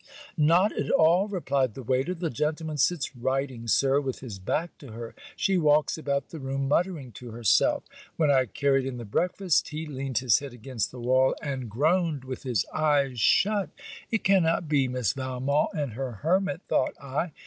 'Not at all,' replied the waiter. 'The gentleman sits writing, Sir, with his back to her. She walks about the room, muttering to herself. When I carried in the breakfast, he leaned his head against the wall, and groaned with his eyes shut.' It cannot be Miss Valmont and her hermit, thought I.